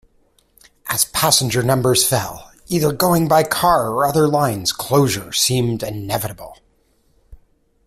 As passenger numbers fell, either going by car or other lines, closure seemed inevitable.